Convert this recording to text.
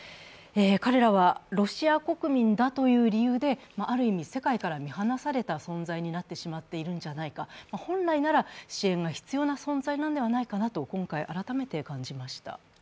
彼らは、ロシア国民だという理由である意味、世界から見放された存在になってしまっているんじゃないか本来なら支援が必要な存在ではないかなと今回、改めて感じました。